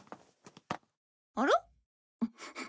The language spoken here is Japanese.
あら？